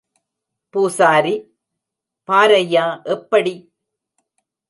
பூசாரி, பாரையா, எப்படி?